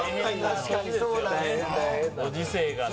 確かにそうだよね。